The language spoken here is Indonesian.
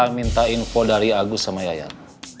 kita minta info dari agus sama yayan